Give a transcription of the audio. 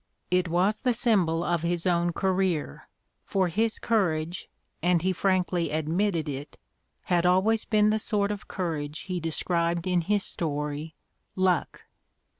It was the symbol of his own career, for his courage, and he frankly admitted it, had always been the sort of courage he described in his story "Luck."